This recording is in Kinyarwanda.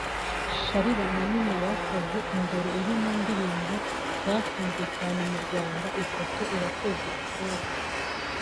Charly na Nina bakoze Indoro iri mu ndirimbo zakunzwe cyane mu Rwanda (Ifoto/Irakoze R